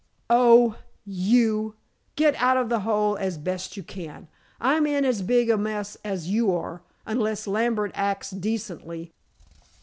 "Oh, you, get out of the hole as best you can! I'm in as big a mess as you are, unless Lambert acts decently."